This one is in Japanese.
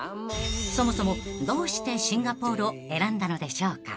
［そもそもどうしてシンガポールを選んだのでしょうか］